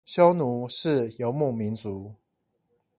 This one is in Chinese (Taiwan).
匈奴是游牧民族